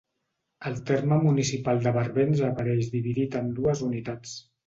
El terme municipal de Barbens apareix dividit en dues unitats.